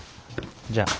じゃあ。